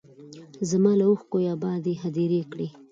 زما له اوښکو یې ابادې هدیرې کړې